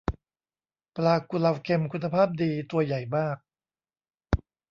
ปลากุเลาเค็มคุณภาพดี ตัวใหญ่มาก